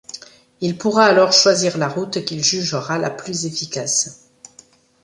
Il pourra alors choisir la route qu'il jugera la plus efficace.